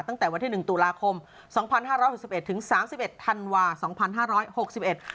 ตั้งแต่วันที่๑ตุลาคม๒๕๖๑ถึง๓๑ธันวาส์๒๕๖๑